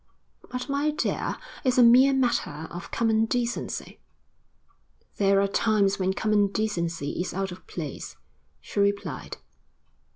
'But, my dear, it's a mere matter of common decency.' 'There are times when common decency is out of place,' she replied.